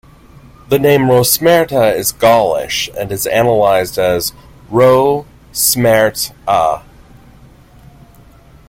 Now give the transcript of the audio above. The name "Rosmerta" is Gaulish, and is analysed as "ro-smert-a".